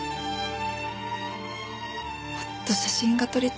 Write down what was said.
もっと写真が撮りたい。